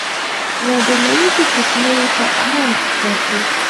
له ډله ییزو فتنو یې په امان کې ساتي.